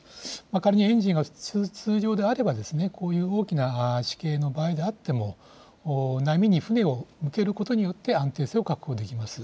仮にエンジンが通常であれば、こういう大きな地形の場合であっても、波に船を向けることによって安定性を確保できます。